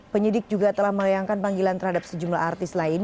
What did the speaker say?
penyidik juga telah melayangkan panggilan terhadap sejumlah artis lain